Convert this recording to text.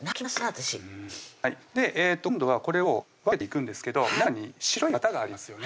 私今度はこれを分けていくんですけど中に白いわたがありますよね